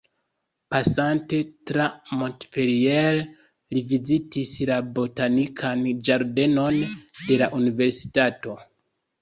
Pasante tra Montpellier, li vizitis la botanikan ĝardenon de la Universitato.